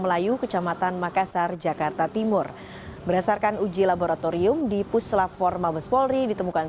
melayu kecamatan makassar jakarta timur berdasarkan uji laboratorium di puslaforma bespolri ditemukan